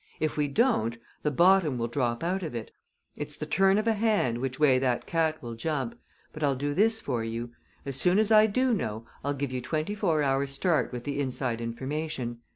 If we don't, the bottom will drop out of it. It's the turn of a hand which way that cat will jump, but I'll do this for you: As soon as I do know I'll give you twenty four hours' start with the inside information.